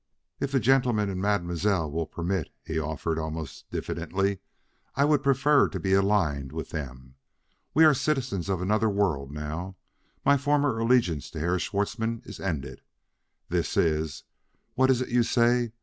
"If the gentlemen and Mademoiselle will permit," he offered almost diffidently, "I would prefer to be aligned with them. We are citizens of another world now; my former allegiance to Herr Schwartzmann is ended. This is what is it you say?